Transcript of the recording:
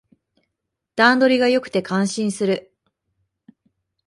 段取りが良くて感心する